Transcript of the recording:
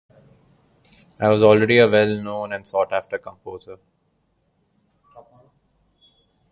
I was already a well known and sought-after composer.